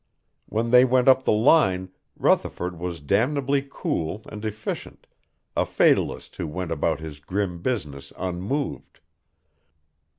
When they went up the line Rutherford was damnably cool and efficient, a fatalist who went about his grim business unmoved.